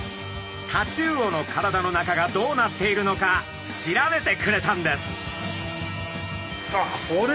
タチウオの体の中がどうなっているのか調べてくれたんです。